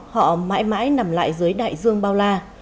họ mãi mãi nằm lại dưới đại dương bao la